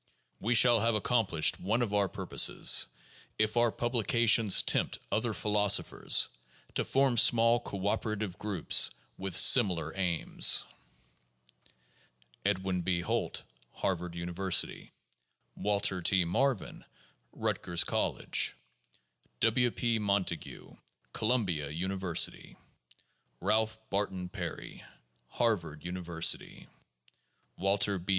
We shall have accomplished one of our purposes if our publications tempt other philosophers to form small cooperative groups with similar aims. Edwin B. Holt, Harvard University. Waltee T. Maevin, Rutgers College. W. P. Montague, Columbia University. Ralph Barton Peeey, Harvard University. Waltee B.